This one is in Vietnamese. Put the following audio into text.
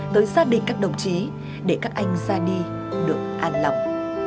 tới gia đình các đồng chí để các anh ra đi được an lọc